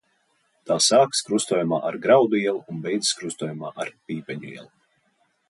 Tā sākas krustojumā ar Graudu ielu un beidzas krustojumā ar Pīpeņu ielu.